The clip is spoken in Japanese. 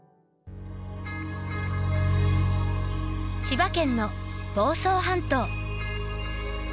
千葉県の房総半島。